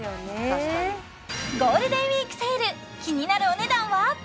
確かにゴールデンウイークセール気になるお値段は？